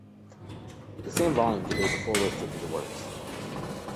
The same volume contains a full list of his works.